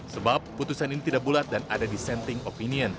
sebab putusan ini tidak bulat dan ada dissenting opinion